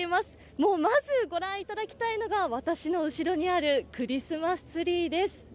もうまず御覧いただきたいのが私の後ろにあるクリスマスツリーです。